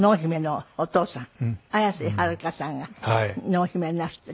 綾瀬はるかさんが濃姫をなすってる。